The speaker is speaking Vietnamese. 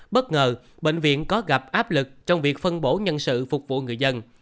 bất ngờ bệnh viện có gặp áp lực trong việc phân bổ nhân sự phục vụ người dân